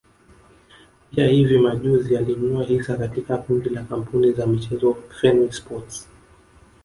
Pia hivi majuzi alinunua hisa katika kundi la kampuni za michezo Fenway sports